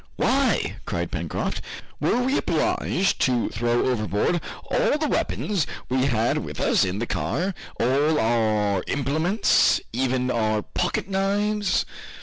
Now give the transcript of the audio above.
"Why," cried Pencroft, "were we obliged to throw overboard all the weapons we had with us in the car, all our implements, even our pocket knives?"